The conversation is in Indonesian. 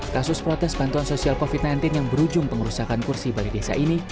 kasus protes bantuan sosial covid sembilan belas yang berujung pengerusakan kursi balai desa ini